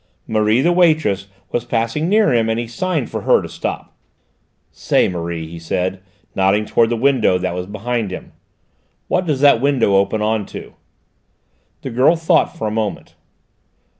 Marie, the waitress, was passing near him and he signed to her to stop. "Say, Marie," he said, nodding towards the window that was behind him, "what does that window open on to?" The girl thought for a moment.